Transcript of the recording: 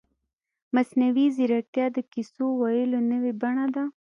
مصنوعي ځیرکتیا د کیسو ویلو نوې بڼه ده.